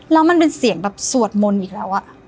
แล้วมันเป็นเสียงแบบสวดมนต์อีกแล้ว